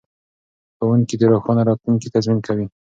ښوونکي د روښانه راتلونکي تضمین کوي.